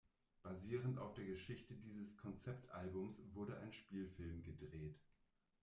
Basierend auf der Geschichte dieses Konzeptalbums wurde ein Spielfilm gedreht.